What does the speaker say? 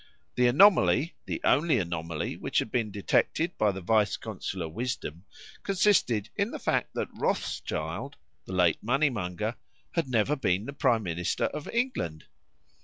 The anomaly, the only anomaly which had been detected by the vice consular wisdom, consisted in the fact that Rothschild (the late money monger) had never been the Prime Minister of England!